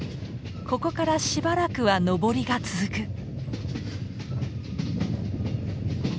ここからしばらくは上りが続く。